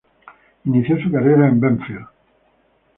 Inició su carrera en Banfield.